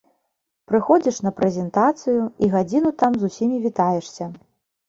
Прыходзіш на прэзентацыю і гадзіну там з усімі вітаешся.